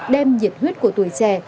đem nhiệt huyết của tuổi trẻ